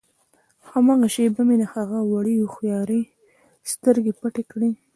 هماغه شېبه مې د هغه وړې هوښیارې سترګې پټې کړې.